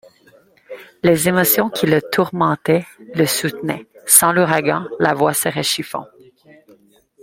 Les émotions qui le tourmentaient le soutenaient ; sans l’ouragan, la voile serait chiffon.